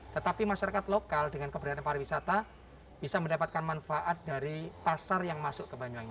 tetapi masyarakat lokal dengan keberadaan pariwisata bisa mendapatkan manfaat dari pasar yang masuk ke banyuwangi